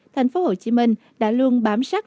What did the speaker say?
thành phố hồ chí minh đã luôn bám sát